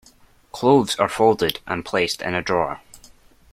Clothes are folded and placed in a drawer.